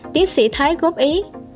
tiến sĩ thái góp ý